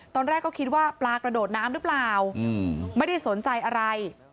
ตอนแรกก็คิดว่าปลากระโดดน้ำหรือเปล่าไม่ได้สนใจอะไร